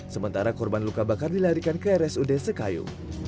sementara korban luka bakar dilarikan ke rsud sekayu